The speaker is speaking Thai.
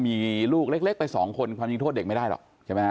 มีลูกเล็กไปสองคนความจริงโทษเด็กไม่ได้หรอกใช่ไหมฮ